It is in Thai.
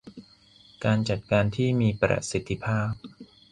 การจัดการที่มีประสิทธิภาพ